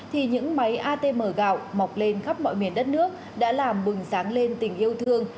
thì những máy atm gạo mọc lên khắp mọi miền đất nước đã làm bừng sáng lên tình yêu thương